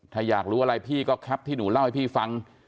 ถ้าอยากรู้อะไรพี่ก็แคปที่หนูเล่าให้พี่ฟัง